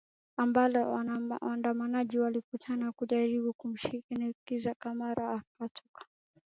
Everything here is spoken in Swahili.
ambalo waandamanaji walikutana kujaribu kumshinikiza camara angatuke